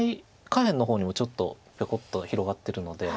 下辺の方にもちょっとひょこっと広がってるので。